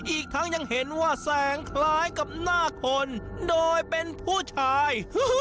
อีกทั้งยังเห็นว่าแสงคล้ายกับหน้าคนโดยเป็นผู้ชาย